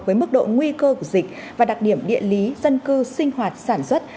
với mức độ nguy cơ của dịch và đặc điểm địa lý dân cư sinh hoạt sản xuất